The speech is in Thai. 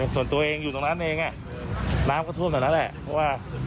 ส่วนตัวเองอยู่ตรงนั้นเองน้ำก็ท่วมตรงนั้นแหละเพราะว่า